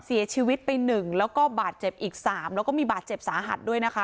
เสียชีวิตไป๑แล้วก็บาดเจ็บอีก๓แล้วก็มีบาดเจ็บสาหัสด้วยนะคะ